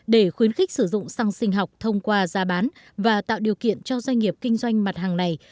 để khuyến khích sử dụng xăng sinh học thông qua gia bán và tạo điều kiện cho doanh nghiệp kinh doanh mặt hàng này